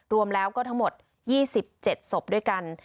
รวมแล้วก็ทั้งหมด๒๗ศพด้วยกัน